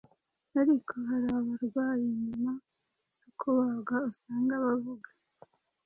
ariko hari abarwayi nyuma yo kubagwa usanga bavuga